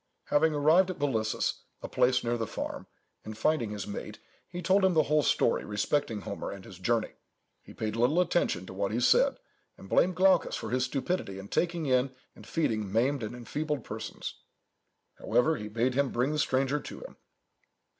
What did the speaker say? Having arrived at Bolissus, a place near the farm, and finding his mate, he told him the whole story respecting Homer and his journey. He paid little attention to what he said, and blamed Glaucus for his stupidity in taking in and feeding maimed and enfeebled persons. However, he bade him bring the stranger to him.